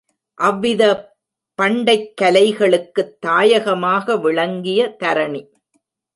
அவ்வித பண்டைக்கலைகளுக்குத் தாயகமாக விளங்கிய தரணி.